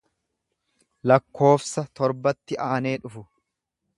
lakkoofsa torbatti aanee dhufu.